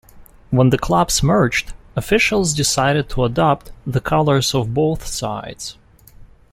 When the clubs merged, officials decided to adopt the colours of both sides.